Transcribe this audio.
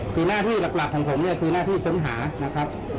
คือหน้าที่หลักของผมเนี่ยคือหน้าที่ค้นหานะครับ